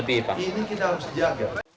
ini kita harus jaga